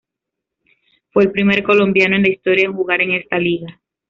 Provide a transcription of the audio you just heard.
Fue el primer colombiano en la historia en jugar en esta liga.